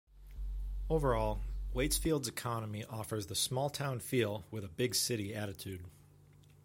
Overall Waitsfield's economy offers the small town feel with a big city attitude.